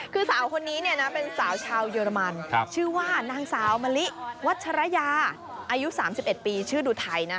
คือสาวคนนี้เป็นสาวชาวเยอรมันชื่อว่านางสาวมะลิวัชรยาอายุ๓๑ปีชื่อดูไทย